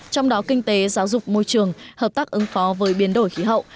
trong đó kinh tế giáo dục môi trường hợp tác ứng phó với biến đổi khí hậu